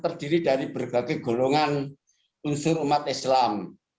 terdiri dari berbagai golongan unsur umat islam